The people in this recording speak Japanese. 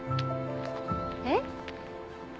えっ？